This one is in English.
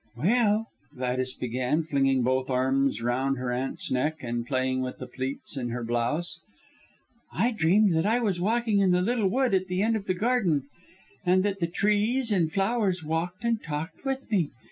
"Well!" Gladys began, flinging both arms round her aunt's neck and playing with the pleats in her blouse, "I dreamed that I was walking in the little wood at the end of the garden, and that the trees and flowers walked and talked with me.